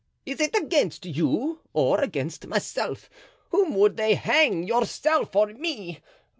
is it against you or against myself? Whom would they hang, yourself or me?